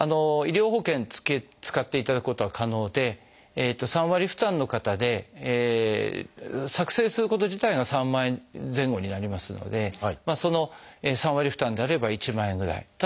医療保険使っていただくことは可能で３割負担の方で作製すること自体が３万円前後になりますのでその３割負担であれば１万円ぐらい。